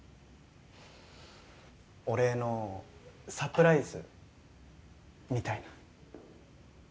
お礼のサプライズ？みたいな。